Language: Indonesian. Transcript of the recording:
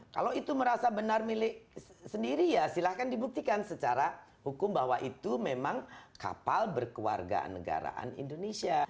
kalau itu merasa benar milik sendiri ya silahkan dibuktikan secara hukum bahwa itu memang kapal berkeluargaan negaraan indonesia